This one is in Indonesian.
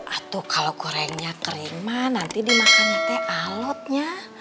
atau kalau gorengnya kering mah nanti dimakan teh alotnya